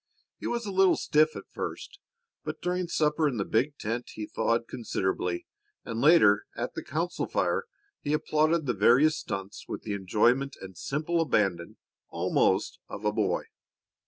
He was a little stiff at first, but during supper in the big tent he thawed considerably, and later, at the council fire, he applauded the various stunts with the enjoyment and simple abandon, almost, of a boy.